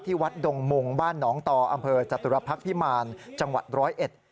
ที่วัดดงมุงบ้านหนองตออำเภอจตุรพักภิมารจังหวัด๑๐๑